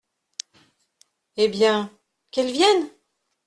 Eh ! bien, qu’elle vienne !…